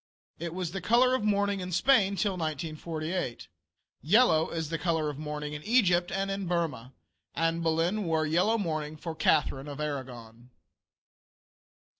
It was the color of mourning in Spain till 1498. Yellow is the color of mourning in Egypt and in Burmah. Anne Boleyn wore yellow mourning for Catharine of Aragon.